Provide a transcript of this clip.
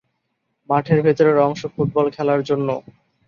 মাঠের ভেতরের অংশ ফুটবল খেলার জন্য।